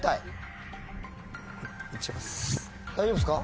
大丈夫ですか？